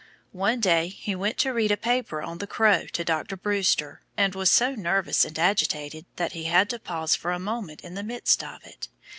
One day he went to read a paper on the Crow to Dr. Brewster, and was so nervous and agitated that he had to pause for a moment in the midst of it.